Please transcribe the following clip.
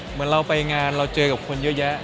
เหมือนเราไปงานเราเจอกับคนเยอะแยะ